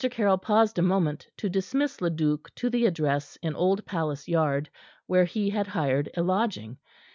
Caryll paused a moment to dismiss Leduc to the address in Old Palace Yard where he had hired a lodging.